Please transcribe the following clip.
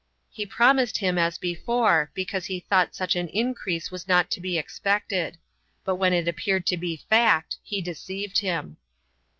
He promised him as before, because he thought such an increase was not to be expected; but when it appeared to be fact, he deceived him.